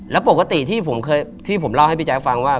และปกติที่ผมเล่าให้พี่แจ๊คฟังว่า